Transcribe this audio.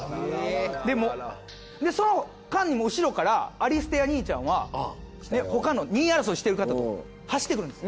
でもその間に後ろからアリステア兄ちゃんは他の２位争いしてる方と走ってくるんです。